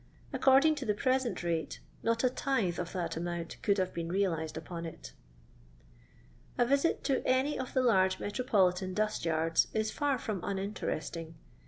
According to the present rate, not a tithe of tha^ amount could have been realized upon it A visit to any of the large metropolitan dust yards is far from uninteresting.